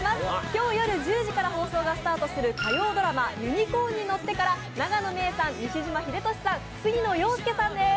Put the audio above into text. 今日夜１０時から放送がスタートする火曜ドラマ「ユニコーンに乗って」から永野芽郁さん、西島秀俊さん、杉野遥亮さんです。